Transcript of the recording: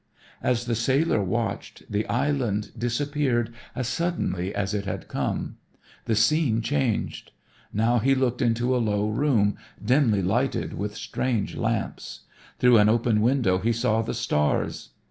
As the sailor watched the island disappeared as suddenly as it had come. The scene changed. Now he looked into a low room, dimly lighted with strange lamps. Through an open window he saw the stars.